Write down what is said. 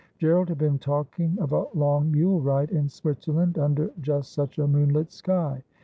Gerald had been talking of a long mule ride in Switzerland under just such a moonlit sky.